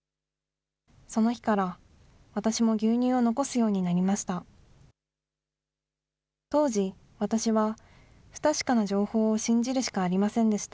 その日から、私も牛乳を残すようになりました。